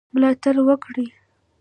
ملاتړ وکړي.